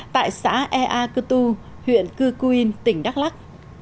tại xã ea cư tu huyện cư cuin tỉnh đắk lắc